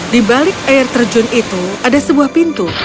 di balik air terjun itu ada sebuah pintu